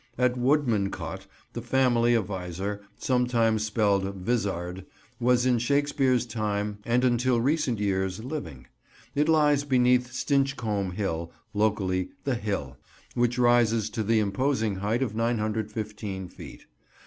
At Woodmancote the family of Visor, sometimes spelled "Vizard" was in Shakespeare's time and until recent years living. It lies beneath Stinchcombe Hill, locally "the Hill," which rises to the imposing height of 915 feet.